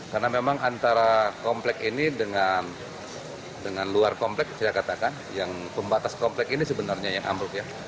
karena memang antara komplek ini dengan luar komplek saya katakan yang pembatas komplek ini sebenarnya yang amruk ya